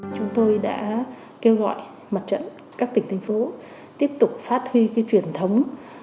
chúng tôi đã kêu gọi mặt trận các tỉnh thành phố tiếp tục phát huy truyền thống